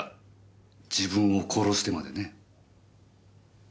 自分を殺してまでね。